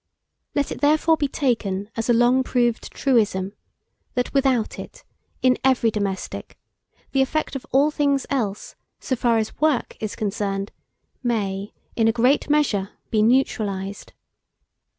Let it, therefore, be taken as a long proved truism, that without it, in every domestic, the effect of all things else, so far as work is concerned, may, in a great measure, be neutralized.